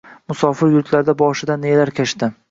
Musofir yurtlarda boshidan nelar kechdi